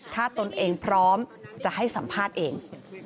ถ้าตนเองพร้อมจะให้สัมภาษณ์เอง